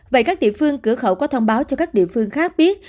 vậy các địa phương cửa khẩu có thông báo cho các địa phương khác biết